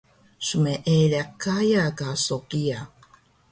smeeliq Gaya ka so kiya